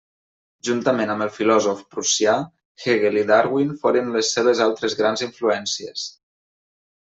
Juntament amb el filòsof prussià, Hegel i Darwin foren les seves altres grans influències.